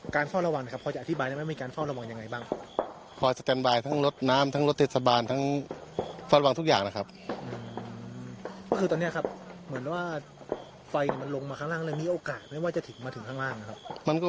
การพ่อระวังพ่อจะอธิบายว่าจะมีการพ่อระวังอย่างไรบ้าง